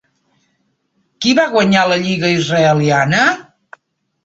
Qui va guanyar la lliga israeliana?